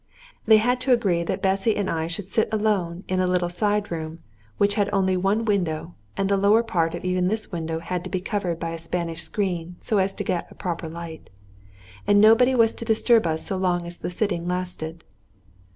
They had to agree that Bessy and I should sit alone in a little side room, which had only one window, and the lower part of even this window had to be covered by a Spanish screen so as to get a proper light. And nobody was to disturb us so long as the sitting lasted.